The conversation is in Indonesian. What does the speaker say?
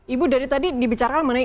ibu dari tadi dibicarakan mengenai